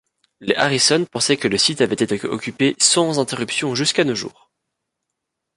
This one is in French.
Les Harrisson pensaient que le site avait été occupé sans interruption jusqu'à nos jours.